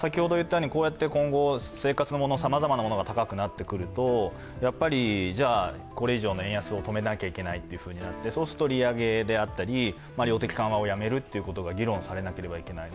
こうやって今後、生活のもの、さまざまなものが高くなってくるとこれ以上の円安を止めなきゃいけないとなって、そうすると利上げであったり量的緩和をやめるということが議論されなければいけない。